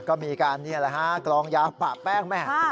ก็มีการนี่แหละฮะกลองยาวปะแป้งแม่